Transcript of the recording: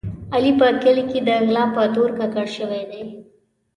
علي په کلي کې د غلا په تور ککړ شوی دی.